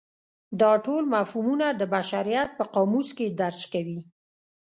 دا ټول مفهومونه د بشریت په قاموس کې درج کوي.